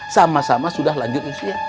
sama sama sudah lanjut usia